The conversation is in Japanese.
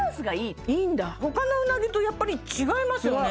他のうなぎとやっぱり違いますよね